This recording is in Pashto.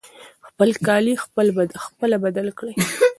خپل کالي خپله بدل کړئ.